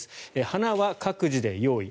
花は各自で用意。